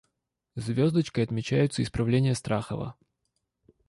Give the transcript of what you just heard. Звездочкой отмечаются исправления Страхова.